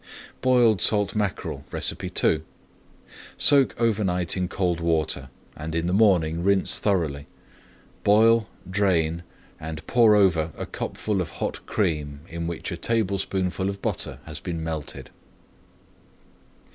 BOILED SALT MACKEREL II Soak over night in cold water and in the morning rinse thoroughly. Boil, drain, and pour over a cupful of hot cream in which a [Page 217] tablespoonful of butter has been melted.